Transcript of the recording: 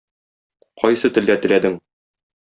Кайсы телдә теләдең?